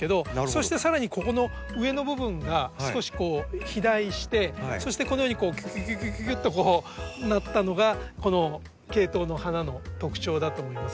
そしてさらにここの上の部分が少し肥大してそしてこのようにぎゅぎゅぎゅぎゅっとなったのがこのケイトウの花の特徴だと思います。